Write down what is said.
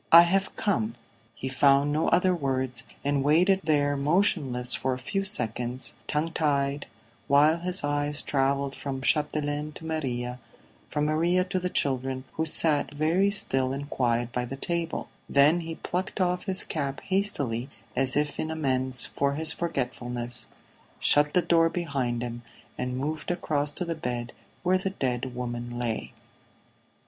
"I have come." He found no other words, and waited there motionless for a few seconds, tongue tied, while his eyes travelled from Chapdelaine to Maria, from Maria to the children who sat very still and quiet by the table; then he plucked off his cap hastily, as if in amends for his forgetfulness, shut the door behind him and moved across to the bed where the dead woman lay.